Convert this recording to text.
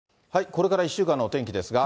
これから１週間のお天気ですが。